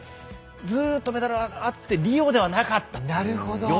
ずっとメダルあってリオではなかった。